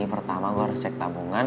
pertama gue harus cek tabungan